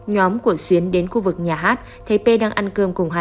nhóm của xuyến đến khu vực nhà hát thấy p đang ăn cơm cùng hai